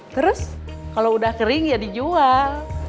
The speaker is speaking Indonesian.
terus kalau udah kering ya dijual